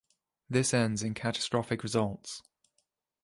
This ends in catastrophic results.